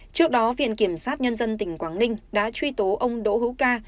trước đó viện kiểm sát nhân dân tỉnh quảng ninh đã truy tố ông đỗ hữu ca